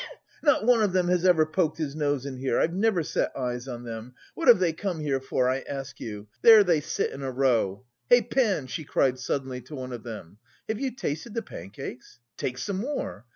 (Cough cough cough.) Not one of them has ever poked his nose in here, I've never set eyes on them. What have they come here for, I ask you? There they sit in a row. Hey, pan!" she cried suddenly to one of them, "have you tasted the pancakes? Take some more!